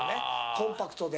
コンパクトで。